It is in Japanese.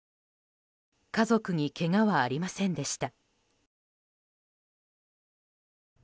家族にけがはありませんでした。